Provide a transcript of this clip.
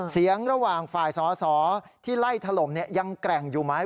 เสียงระหว่างฝ่ายสอสอที่ไล่ถล่มยังแกร่งอยู่ไหม